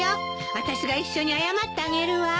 あたしが一緒に謝ってあげるわ。